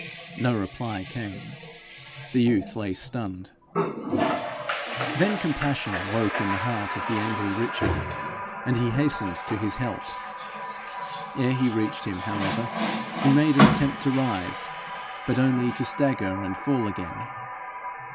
No reply came. The youth lay stunned. Then compassion woke in the heart of the angry Richard, and he hastened to his help. Ere he reached him, however, he made an attempt to rise, but only to stagger and fall again.